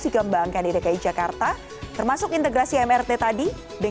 dikembangkan di dki jakarta termasuk integrasi mrt tadi